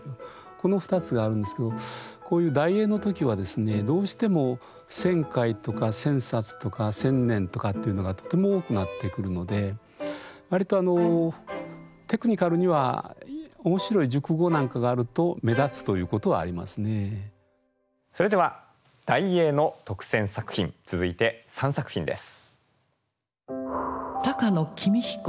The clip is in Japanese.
この２つがあるんですけどこういう題詠の時はですねどうしても「千回」とか「千冊」とか「千年」とかっていうのがとても多くなってくるので割とあのテクニカルにはそれでは題詠の特選作品続いて３作品です。